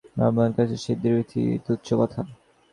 ব্রহ্মজ্ঞের কাছে সিদ্ধি ঋদ্ধি অতি তুচ্ছ কথা।